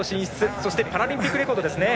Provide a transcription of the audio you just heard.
そしてパラリンピックレコードですね。